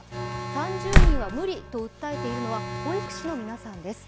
３０人は無理と訴えているのは保育士の皆さんです。